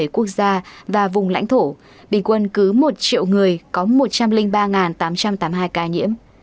hai trăm hai mươi bảy quốc gia và vùng lãnh thổ bình quân cứ một triệu người có một trăm linh ba tám trăm tám mươi hai ca nhiễm